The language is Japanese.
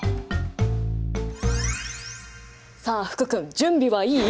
さあ福君準備はいい？